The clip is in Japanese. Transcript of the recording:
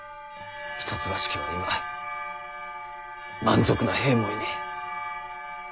一橋家は今満足な兵もいねぇ。